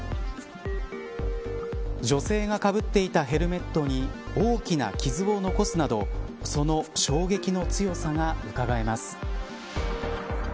女性がかぶっていたヘルメットに大きな傷を残すなどその衝撃の強さがうかがえます。